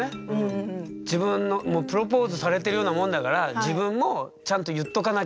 もうプロポーズされてるようなもんだから自分もちゃんと言っとかなきゃと。